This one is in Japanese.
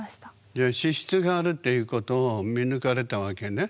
じゃあ資質があるっていうことを見抜かれたわけね。